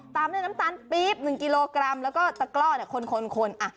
ตามด้วยน้ำตาลปี๊บหนึ่งกิโลกรัมแล้วก็ตะกร่อเนี่ยคนคนคนอะ